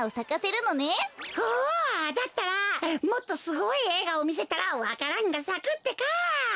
おおだったらもっとすごいえいがをみせたらわか蘭がさくってか。